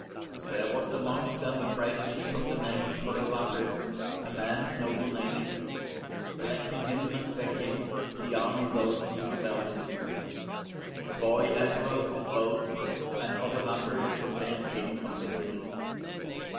There was amongst them a brave chief of the name of Odovaker, a man of noble nature. Electing him as their King, the army rose in rebellion. The boy Emperor was deposed, and Odovaker was proclaimed King of Italy.